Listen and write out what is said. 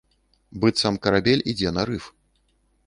Быццам карабель ідзе на рыф.